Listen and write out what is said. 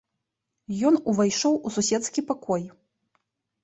Ён увайшоў у суседскі пакой.